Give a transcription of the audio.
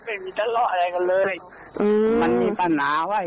คุณผู้ชมไปฟังเสียงพร้อมกัน